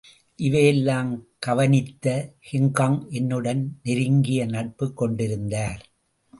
இதையெல்லாம் கவனித்த கிங்காங் என்னுடன் நெருங்கிய நட்புக் கொண்டிருந்தார்.